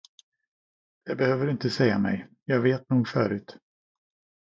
Det behöver du inte säga mig, jag vet det nog förut.